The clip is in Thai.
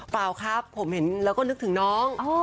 เปล่าครับผมเห็นแล้วก็นึกถึงน้อง